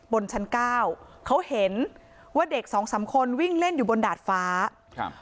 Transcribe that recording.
บนชั้นเก้าเขาเห็นว่าเด็กสองสามคนวิ่งเล่นอยู่บนดาดฟ้าครับ